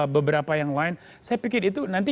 beberapa yang lain saya pikir itu nanti